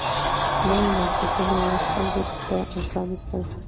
نوي مارکیټونه یې خلکو ته پرانيستل